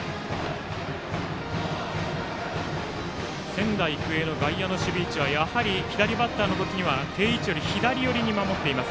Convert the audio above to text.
仙台育英の外野の守備位置は左バッターの時には定位置より左寄りに守っています。